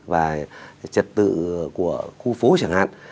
và trật tự của khu phố chẳng hạn